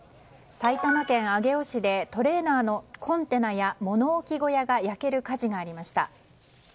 埼玉県上尾市でトレーラーのコンテナや物置小屋が焼ける火事がありました。